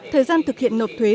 thời gian thực hiện nộp thuế